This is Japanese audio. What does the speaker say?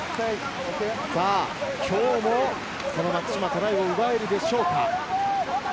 きょうも松島はトライを奪えるでしょうか？